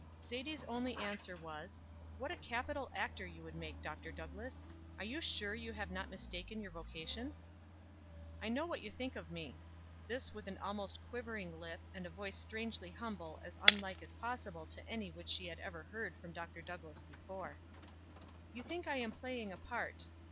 Sadie's only answer was: "What a capital actor you would make, Dr. Douglass. Are you sure you have not mistaken your vocation?" "I know what you think of me." This with an almost quivering lip, and a voice strangely humble and as unlike as possible to any which she had ever heard from Dr. Douglass before. "You think I am playing a part.